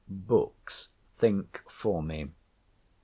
Books think for me.